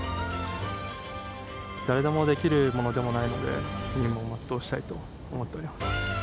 誰でもできるものでもないので、任務を全うしたいと思っております。